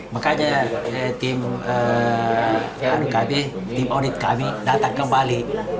makanya tim audit kami datang kembali